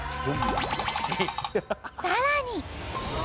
さらに。